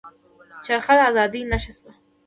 چرخه د ازادۍ نښه شوه.